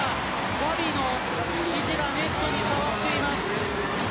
ガビの肘がネットに触っています。